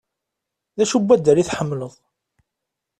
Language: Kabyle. D acu n waddal i tḥemmleḍ?